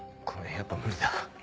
やっぱ無理だ。